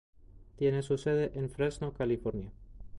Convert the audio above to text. Tiene su sede en Fresno, California.